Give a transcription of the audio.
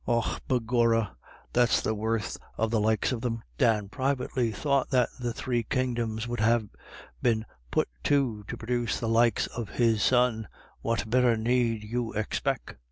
Och begorrah, that's the worth of the likes of them "— Dan privately thought that the three kingdoms would have been " put to it " to produce the likes of his son —" what better need you expec' ?